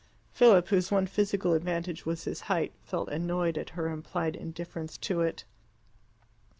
Philip, whose one physical advantage was his height, felt annoyed at her implied indifference to it.